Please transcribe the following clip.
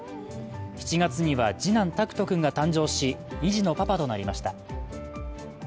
７月には次男・大空翔君が誕生し２児のパパとなりました。